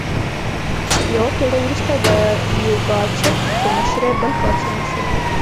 یوه پیړۍ وروسته د یوګاچف په مشرۍ بل پاڅون وشو.